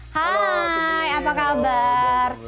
hai apa kabar